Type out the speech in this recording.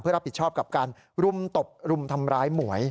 รับผิดชอบกับการรุมตบรุมทำร้ายหมวย